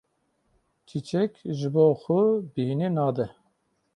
Çîçek ji bo xwe bêhinê nade.